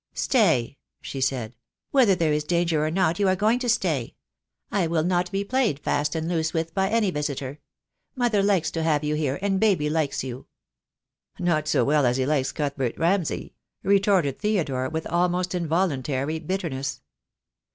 "Stay," she said. "Whether there is danger or not you are going to stay. I will not be played fast and loose with by any visitor. Mother likes to have you here, and baby likes you." "Not so well as he likes Cuthbert Ramsay," retorted Theodore, with almost involuntary bitterness.